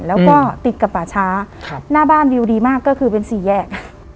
แล้วก็ติดกับป่าช้าหน้าบ้านดิวดีมากก็คือเป็นสี่แยก